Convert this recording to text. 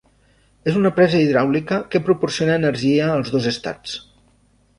És una presa hidràulica que proporciona energia als dos estats.